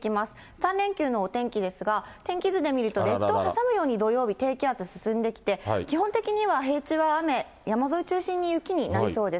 ３連休のお天気ですが、天気図で見ると列島を挟むように、土曜日、低気圧進んできて、基本的には平地は雨、山沿い中心に雪になりそうです。